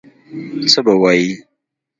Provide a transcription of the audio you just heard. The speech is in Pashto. څه به وایي.